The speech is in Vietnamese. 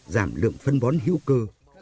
giảm lượng phân bón hiệu cơ